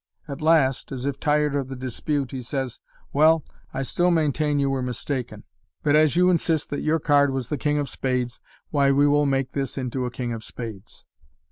At last, as if tired of the dispute, he says, "Well, I still maintain you were mistaken; but as you insist that 144 MODERN MAGIC. your card was the king of spades, why, we will make this into a king of spades.